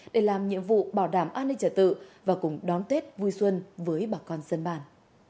để làm nhiệm vụ bảo đảm an ninh trả tự và cùng đón tết vui xuân với bà con dân bàn